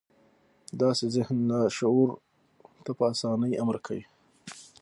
داسې ذهن لاشعور ته په اسانۍ امر کوي